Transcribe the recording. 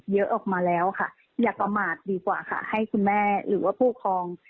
เยอะออกมาแล้วค่ะอย่าประมาทดีกว่าค่ะให้คุณแม่หรือว่าผู้ครอง